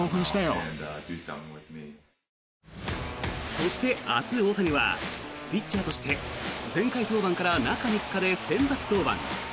そして明日、大谷はピッチャーとして前回登板から中３日で先発登板。